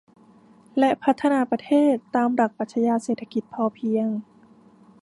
และพัฒนาประเทศตามหลักปรัชญาของเศรษฐกิจพอเพียง